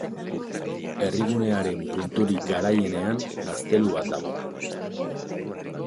Herrigunearen punturik garaienean, gaztelu bat dago.